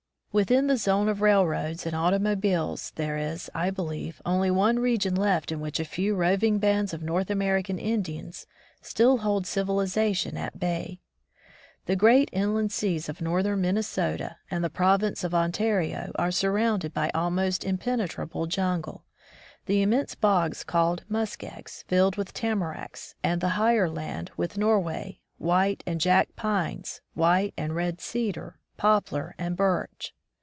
Within the zone of railroads and auto mobiles there is, I believe, only one region left in which a few roving bands of North American Indians still hold civilization at bay. The great inland seas of northern Minnesota and the Province of Ontario are surrounded by almost impenetrable jungle, the immense bogs called "muskeggs" filled with tamaracks, and the higher land with Norway, white and "jack" pines, white and red cedar, poplar and birch.